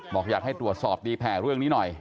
บอกอยากให้ตรวจสอบดีแผ่เรื่องนี้หน่อย